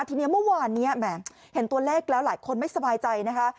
ทีนี้เมื่อวานนี้แหมเห็นตัวเลขแล้วหลายคนไม่สบายใจนะคะ